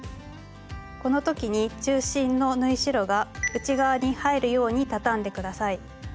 この時に中心の縫い代が内側に入るように畳んで下さい。